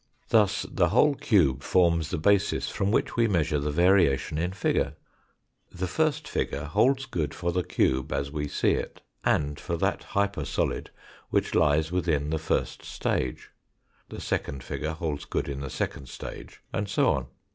Thus the whole cube forms the basis from which we measure the variation in figure. The first figure holds good for the cube as we see it, and for that hyper solid which lies within the first stage ; the second figure holds good in the second stage, and so on.